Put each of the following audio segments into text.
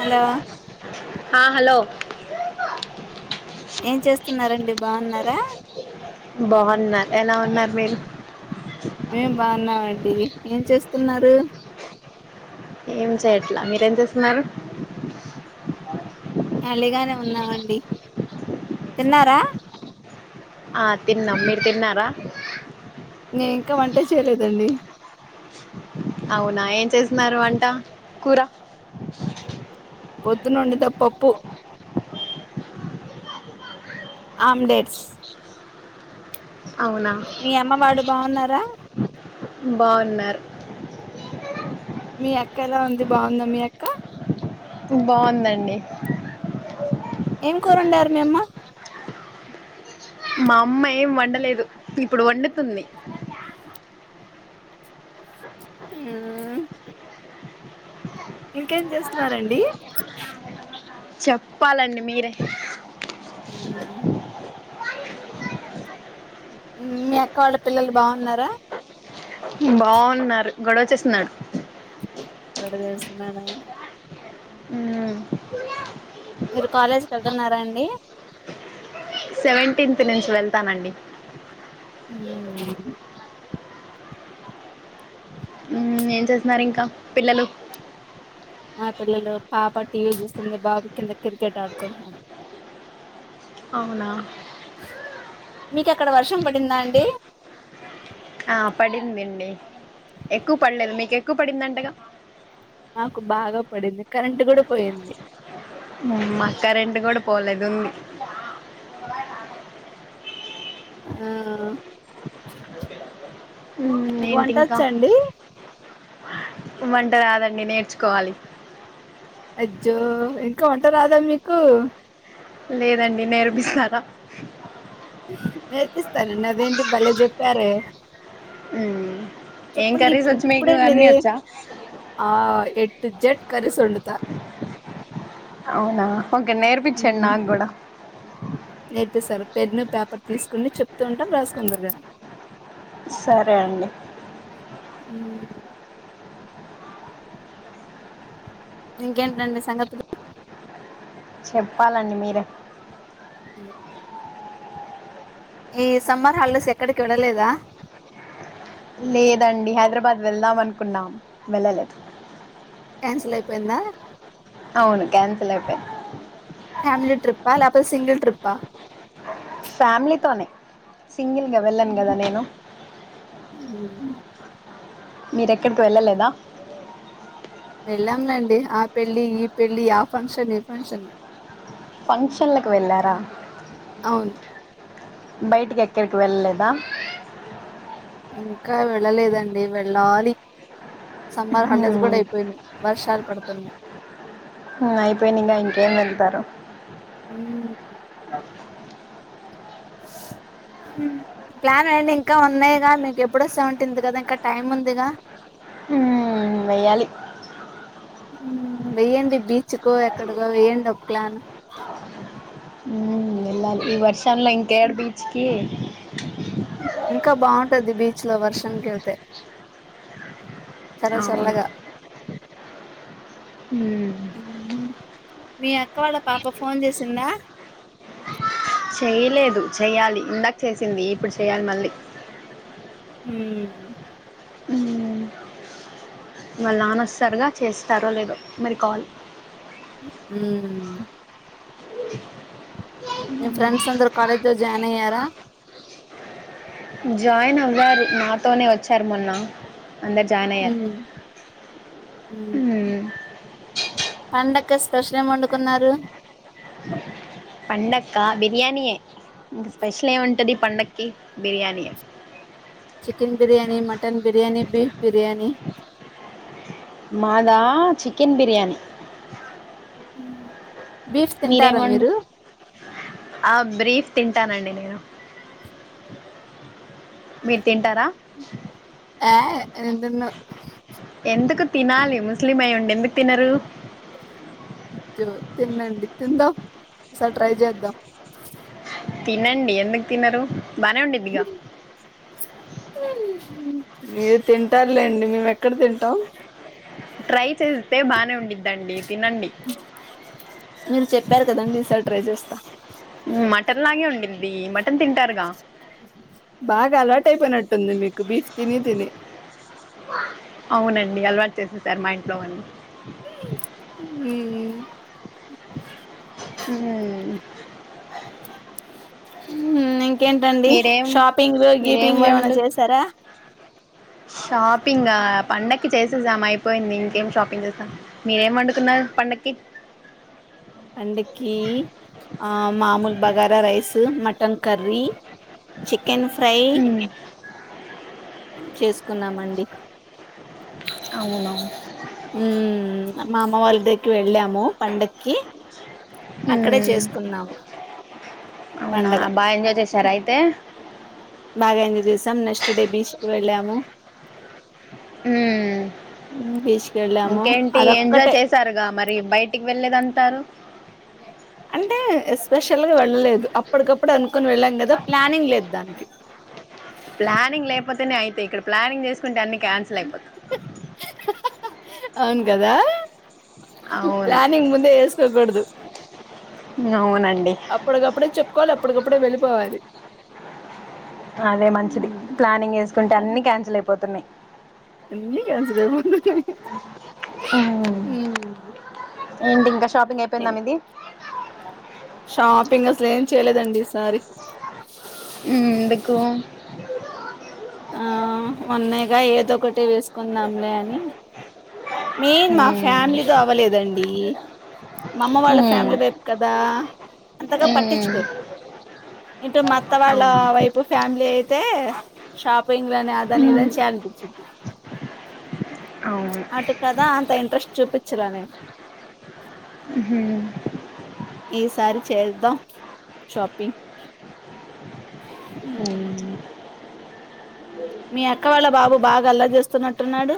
Hello ఆ hello ఏం చేస్తున్నారండి బావున్నారా బావున్నా ఎలా ఉన్నారు మీరు మేం బావున్నామండి ఏం చేస్తున్నారు ఏం చేయట్లా మీరేం చేస్తున్నారు ఎళ్ళిగానే ఉన్నామండి తిన్నారా ఆ తిన్నాం మీరు తిన్నారా నే ఇంకా వంటే చేయలేదండి అవునా ఏం చేస్తున్నారు వంట కూర పొద్దున ఒండుతా పప్పు ఆమ్డెట్స్ అవునా మీ అమ్మ వాళ్ళు బావున్నారా బావున్నార్ మీ అక్క ఎలా ఉంది బావుందా మీ అక్క బావుందండి ఏం కూరొండారు మీ అమ్మ మా అమ్మ ఏం వండలేదు ఇప్పుడు వండుతుంది ఊ ఇంకేం చేస్తున్నారండి చప్పాలండి మీరే ఉమ్ ఉమ్ మీ అక్కవాళ్ళ పిల్లలు బావున్నారా బావున్నారు గొడవ చేేస్తున్నాడు గొడవ చేస్తున్నాడా ఊ మీరు కాలేజ్ కి ఎళ్తున్నారా అండి సెవెంటీన్త్ నుంచి వెళ్తానండి ఊ ఏం చేస్తున్నారు ఇంకా పిల్లలు నా పిల్లలు పాప టీ వీ చూస్తుంది బాబు కింద కిరికెట్ ఆడుకుంటున్నాడు అవునా మీకు అక్కడ వర్షం పడిందా అండి ందండి ఎక్కువ పడలేదు మీకు ఎక్కువ పడింది అంటగా మాకు బాగా పడింది కరెంట్ కూడా పోయింది మ అక్క రెండు కూడా పోలేదుం ఉ మ్మ్ కు ఏంటి వంట ఇంకా వచ్చా అండి? వంట రాదండి నేర్చుకోవాలి. అజ్జో ఇంకా వంట రాదా మీకు? లేదండి నేర్పిస్తార నేర్తిస్తానండి అదేంటి బలే జెప్పారే మ్మ్ ఏం చెప్పండి కర్రీస్ వచ్చు మీకు ఇప్పటికిప్పుడే అన్నీ మీరే వచ్చా ఆ ఎ టి జెట్ కర్రీస్ వండుత అవునా ఓకే నేర్పించండి నాగుడ అయితే సార్ పెన్ను పేపర్ తీసుకొండి చెప్తూ ఉంటా రాసుకుందుర్ గాని సరే అండి ఇంకేంటండి సంగతులు చెప్పాలండి మీరే ఉ ఈ సమ్మర్ హాలిడేస్ ఎక్కడికి వెల్లలేదా లేదండి హైదరాబాద్ వెళ్దాం అనుకున్నాం వెళ్ళలేదు క్యాన్సల్ అయిపోయిందా అవును క్యాన్సిల్ అయిపోయింది ఫ్యామిలీ ట్రిప్పా లేకపోతె సింగిల్ ట్రిప్ప ఫ్యామిలీతోనే సింగిల్గా వెళ్ళను కదా నేను ఉమ్ మీరేక్కడికి వెళ్ళలేదా వెళ్ళాంలేండి ఆ పెళ్లిి ఈ పెళ్లిి ఆ ఫంక్షన్ ఈ ఫంక్షన్ ఫంక్షన్లకు వెళ్ళారా అవున్ బయటికి ఎక్కడికి వెళ్ళలేద? ఇంక వెళ్ళలేదండి వెళ్ళాలి సమ్మర్ హాలిడేస్ కూడా మ్మ్ అయిపోయినాయి వర్షాలు పడుతున్నాయి అయిపోయినింగ ఇంకేం వెళ్తారో మ్ ప్లాన్ అడి ఇంకా ఉన్నాయిగా మీకు ఎప్పుడు సెవెన్లీన్త్ కదా ఇంకా టైం ఉందిగా ఊ వెయ్యాలి వెేయ్యడి బీచ్కో ఎక్కడికో వేయండి ఒక ప్లాన్ మ్ వెళ్ళాలి ఈ వర్షంలో ఇంకేడ బీచ్కి ఇంక బాగుంటది బీచ్ లో వర్షానికి వెళ్తే చాల అవును చల్లగా ఉమ్, మీ అక్క వాళ్ళ పాప ఫోన్ చేసిందా చేయలేదు చెయ్యాలి ఇందాక చేసింది ఇప్పుడు చేయ్యాలి మళ్ళీ మ్ ఉమ్, వాళ్ళ నాన వస్తారుగా చేస్తారో లేదో మీరి కాల్ మ్ మీ ఫ్రెండ్స్ అందరు కాలేజ్ లో జాయిన్ అయ్యార జాయిన్ అవ్వారు నాతోనే వచ్చారు మొన్న అందరు జాయిన్ అయ్యారు ఉమ్ ఉమ్ మ్ పండగ స్పెషల్ ఏం వండుకున్నారు పండక్క బిర్యానీయే ఇంకా స్పెషల్ ఎం ఉం ట్టది పండక్కి బిర్యానీయే chicken biryani mutton biryani beef biryani మాదా చికెన్ బిర్యానీ బీఫ్ మీరేం తింటారా వండ్ మీరు ఆ బ్రీఫ్ తీం టానండి నేను మీరు తింటారా ఏ నీను తిన్ను ఎందుకు తినాలి ముస్లిం అయి ఉండి ఎందుకు తినరు జో తింనండి తిందాం ఒకసారి ట్రై చేద్దాం తినండి ఎందుకు తినరు బానే ఉండిద్దిగా మీరు తింటారులేండి మేము ఏక్ ఎక్కడ తింటాం ట్రై చేస్తే బానే ఉండిద్దండి తినండి దండి ఈ సారి ట్రై చేస్తా అీ మటన్ తింటారుగా బాగా అలటై అయిపోయినట్టుంది మీకు బీఫ్ తిని తిని అవునండి అలవాటు చేసేసారు మా ఇంట్లో వాళ్ళు మ్ అ మ్ ఇంకేంటండి షాపింగ్లు మీరేం గీపింగ్లు ఏమనా వండు చేసారా షాపింగ్ గ పండక్కి చేసేసాం అయిపోయింది ఇంకేం షాపింగ్ చేస్తాం మీరేం వండుకున్నారు పండక్కి పండక్కి ఆ మామూలు bagara rice mutton curry chicken fry ఉమ్ చేసుకున్నామండి అవునవును మ్ మా అమ్మ వాళ్ళు ద గ్గరికి వెళ్ళాము పండగకి అక్కడే ఉమ్ చేసుకున్నాము అవునా పండగ బా ఎంజాయ్ చేసారా అయితే బాగా ఎంజాయ్ చేసాం నెక్స్ట్ డే బీచ్ కు వెళ్ళాము మ్ ఉమ్, బీచ్ కి వెళ్ళాము ఇంకేంటి ఎంజాయ్ అదొక్కటే చేసారుగా మరి బయటికి వెళ్ళేదంటారు అంటే ఎస్పెషల్ గా వెళ్ళలేదు అప్పటికప్పుడు అనుకుొని వెళ్ళాం కదా ప్లానింగ్ లేదు దానికి ప్లానింగ్ లేకపోతేనే అయితయి ఇక్కడ ప్లానింగ్ చేసుకుంటే అన్ని క్యాన్సిల్ అయిపోతాయి అవును కదా అవును ప్లనింగ్ ముందే వేస్కోకూడదు అవునండి అప్పటికప్పుడే చెప్పుకోవాలి అప్పటికప్పుడే వెళ్ళిపోవాలి అదే మంచిది ఉమ్, ప్లానింగ్ వేసుకుంటే అన్ని క్యాన్సిల్ అయిపోతున్నాయి అన్ని క్యాన్స్సల్ అయిపోతున్నాయి ఉమ్. మ్ ఏంటి ఇంకా షాపింగ్ అయిపోయిందా మిది షాపింగ్ అసలు ఏం చేయలేదండి ఈసారి ఉమ్, ఎందుకు ఉమ్, ఆ ఉన్నాయిగా ఏదొ ఒకటి వేసుకుందాంలే అని మెయిన్ మా ఫ్యామిలీతో అవ్వలేదండి మా అమ్మ వాళ్ళ ఉమ్, ఫ్యామిలీ వైపు కదా అంతగా ఉమ్, పట్టించుకోరు ఇంటో మత్త వాళ్ళ అవును వైపు ఫ్యామిలీ అయితే షాపింగ్ లని అదని ఇదని చే [unintelligible] అవు అటు కదా అంత ఇంట్రెస్ట్ చూపించలనే ఉమ్, ఈ సారి చేస్దాం షాపింగ్ ఉమ్. హు మీ అక్క వాళ్ళ బాబు బాగా అల్లారీ చేస్తున్నట్టున్నాడు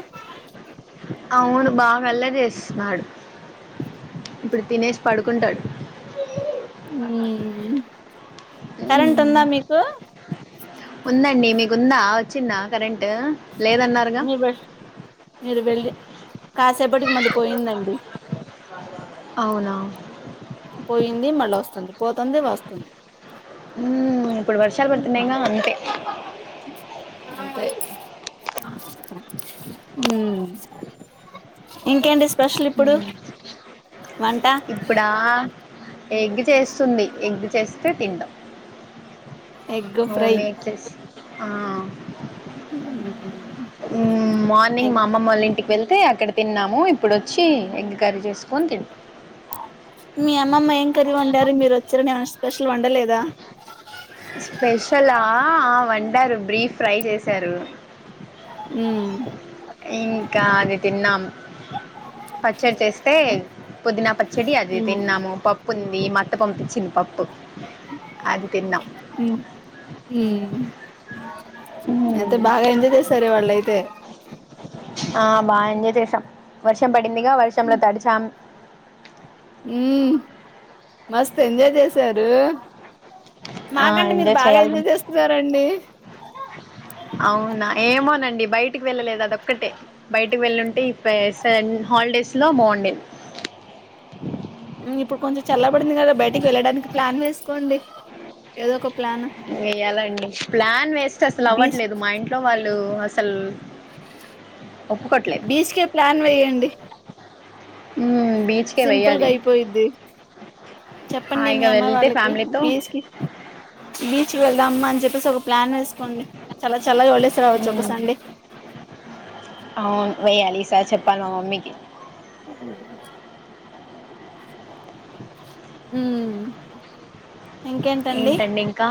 అవును బాగా అల్లరి చేస్తున్నాడు ఇప్పుడు తినేషి పడుకుంటాడు ఉహ్ కరెంట్ ఉందా మీకు ఉందండి మీకుందా వచ్చిందా కరెంట్ లేదన్నారుగా మీరు వేల్ మీరు వెళ్ళి కాసేపటికి మళ్ళీ పోయిందండి అవునా పోయింది మళ్ళ వస్తుంది పోతుంది వస్తుంది మ్మ్ ఇప్పుడు వర్షాలు పడుతున్నాయింగా అంతే అంతే హు ఇంకేంటి స్పెషల్ ఇప్పుడు వంట ఇప్పుడా ఎగ్ చేస్తుంది ఎగ్ చేస్ స్తే తినడం ఎగ్ మా ఫ్రై మమ్మీ ఎగ్ చేసి ఆ హు ఉ మార్నింగ్ మా అమ్మమ్మ వాళ్ళ ఇంటికి వెళ్తే అక్కడ తిన్నాము ఇప్పుడు వచ్చి ఎగ్ కర్రీ చేసుకొని తిం మీ అమ్మమ్మ ఏం కర్రి వండారు మీరు వచ్చారనీ అమా స్పెషల్ వండలేదా స్పెషలా వంటారు బ్రీఫ్ ఫ్రై చేశారు ఉ ఇంకా అది తిన్నాం పచ్చడి చేస్తే పుదీనా పచ్చడి అది ఉమ్ తిన్నాము పప్పు ఉంది మాత్త పంపించింది పప్పు అది తిన్నాం ఉమ్ ఉమ్ అయితే బాగా ఎంజాయ్ చేసారు ఇవాళ్ళయితే ఆ బా ఎంజాయ్ చేశాం వర్షం పడిందిగా వర్షముంలో తడిచాం ఉ మస్త్ ఎంజాయ్ చేసారు ఆ మాకంటే మీరు బాగా చేయాలి ఎంజాయ్ చేస్తున్నారండి అవునా ఏమోనండి బయటకి వెళ్ళలేదు అదొక్కటే బయటకి వెళ్ళుంటే ఇ పే సన్ హాలిడేస్ లో బాగుండేద్ ఇప్పుడు కొంచెం చల్లబడింది కదా బయటికి వెళ్ళడానికి ప్లాన్ వేసుకోండి ఏదో ఒక ప్లాన్ వేయ్యాలండి ప్లాన్ వేస్తే అసలు బీచ్ అవ్వట్లేదు మా ఇంట్లో వాళ్ళు అస్ సల్ ఒప్పుకోట్లేద్ బీచ్ కే ప్లాన్ వేయండి ఉ బీచ్కే సింపుల్ గా వెయ్యాలి అయిపోయిద్ది చెప్పండి మీ హాయిగా అమ్మా వెళ్తే వాళ్ళకి ఫ్యామిలీతో బీచ్ కి బీచ్కి వెళ్దాం అమ్మా అని చెప్పేసి ప్లాన్ వేసుకోండి చళ్ళ చళ్ళగ వెళ్ళేస్ రావచ్చు ఒకసండే అవును వెేయ్యాలి ఈసారి చెప్పాలి మా మమ్మీకి ఉ మ్ ఇంకేంటండి ఏంటండి ఇంకా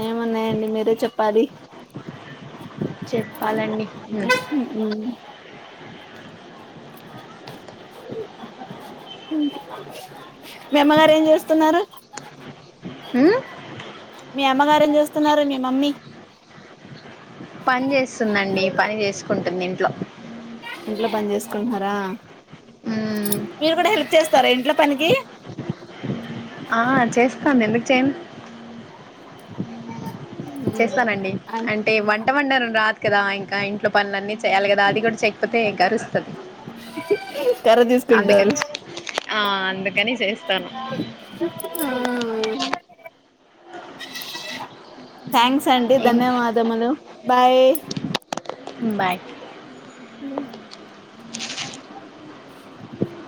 ఏమున్నాయండి మీరే చెప్పాలి చెప్పాలండి మ్ మీ అమ్మగారు ఏం చేస్తున్నారు మ్ మీ అమ్మగారు ఏం చేూస్తున్నారు మీ మమ్మీ పని చేస్తుందండి పని చేసుకుంటుంది ఇంట్లో ఇంట్లో పని చేసుకుంటున్నారా మ్మ్ మీరు కూడా హెల్ప్ చేస్ స్తారా ఇంట్లో పనికి ఆ చేస్తాను ఎందుకు చేయను చేస్తానండి అంటే వంట వంటను రాదు కదా ఇంకా ఇంట్లో పనుల అన్నీ చేయాలి కదా అది కూడా చేయకపోత్ తె ఇక అరుస్తది కర్ర తీసుకుంటారు అందుకని చే ఆ అందుకని చేస్తాను ఆ థ్యాంక్స్ అంటీ ఏం ధన్యవాదములు బాయ్ బాయ్ అ